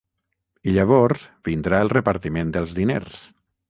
I llavors vindrà el repartiment dels diners.